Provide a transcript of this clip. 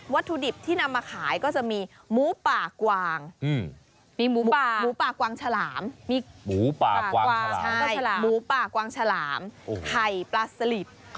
วัตถุดิบที่นำมาขายก็จะมีหมูป่ากวางหมูป่ากวางฉลามหมูป่ากวางฉลามไข่ปลาสลิบ